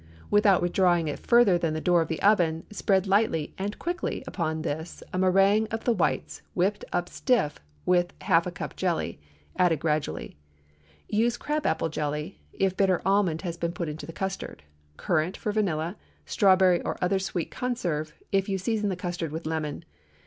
Without withdrawing it further than the door of the oven, spread lightly and quickly upon this a méringue of the whites whipped up stiff with a half cup jelly—added gradually. Use crab apple jelly, if bitter almond has been put into the custard; currant, for vanilla; strawberry or other sweet conserve, if you season the custard with lemon.